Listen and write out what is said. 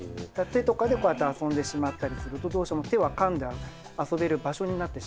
手とかでこうやって遊んでしまったりするとどうしても手はかんで遊べる場所になってしまうので。